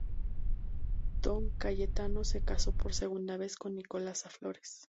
Don Cayetano se casó por segunda vez con Nicolasa Flores.